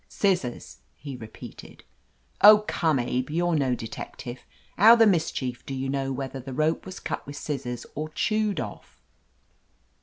"Scissors!" he repeated. "Oh, come, Abe, you're no detective. How the mischief do you know whether the rope was cut with scissors or chewed off